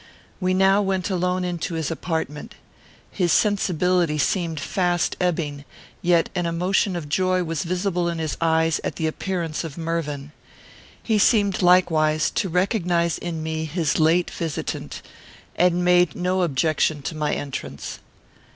We now went alone into his apartment. His sensibility seemed fast ebbing, yet an emotion of joy was visible in his eyes at the appearance of Mervyn. He seemed likewise to recognise in me his late visitant, and made no objection to my entrance.